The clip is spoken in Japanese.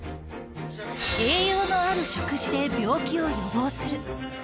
栄養のある食事で病気を予防する。